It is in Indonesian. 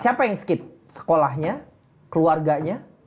siapa yang skit sekolahnya keluarganya